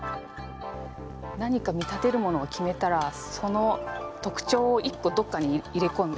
何か見立てるものを決めたらその特徴を１こどっかに入れこむ。